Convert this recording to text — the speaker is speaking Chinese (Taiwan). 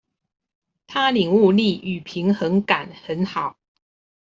他領悟力與平衡感很好